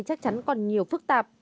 chắc chắn còn nhiều phức tạp